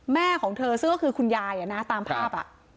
แม่ของเธอซึ่งก็คือคุณยายอ่ะนะตามภาพอ่ะ